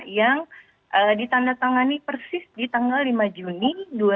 yang ditandatangani persis di tanggal lima juni dua ribu dua puluh